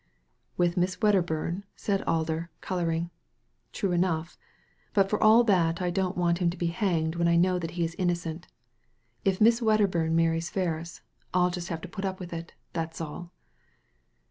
"With Miss Wedderbum/* said Alder, colouring. " True enough ; but for all that I don't want him to be hanged when I know that he is innocent If Miss Wedderbum marries Ferris I'll just have to put up with it, that's all."